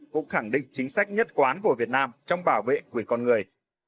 cũng khẳng định chính sách nhất quán của việt nam trong bảo vệ quyền con người